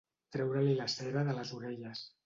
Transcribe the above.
Treure-li la cera de les orelles.